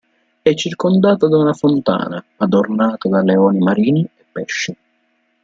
È circondata da una fontana, adornata da leoni marini e pesci.